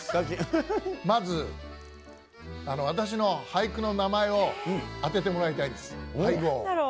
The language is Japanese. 私の俳句の名前を当ててもらいたいんです。